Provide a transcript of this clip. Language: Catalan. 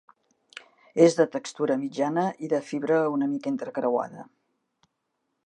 És de textura mitjana i de fibra una mica entrecreuada.